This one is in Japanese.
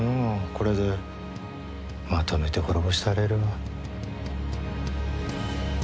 これでまとめて滅ぼしたれるわ。